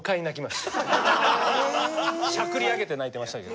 しゃくり上げて泣いてましたけど。